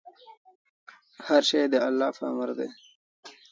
هر شی د الله په امر دی.